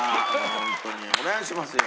ホントにお願いしますよ